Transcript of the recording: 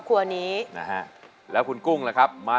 เปลี่ยนเพลงเก่งของคุณและข้ามผิดได้๑คำ